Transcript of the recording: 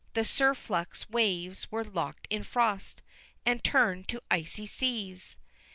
The surflux waves were lock'd in frost, And turned to Icy Seas!